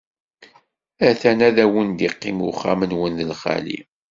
A-t-an, ad wen-d-iqqim uxxam-nwen d lxali.